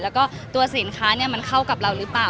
แล้วก็ตัวสินค้ามันเข้ากับเราหรือเปล่า